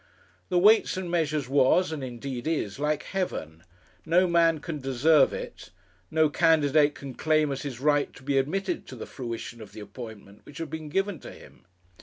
The Weights and Measures was, and indeed is, like heaven no man can deserve it. No candidate can claim as his right to be admitted to the fruition of the appointment which has been given to him.